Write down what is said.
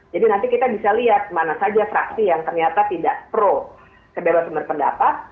jadi nanti kita bisa lihat mana saja fraksi yang ternyata tidak pro kebebasan pendapat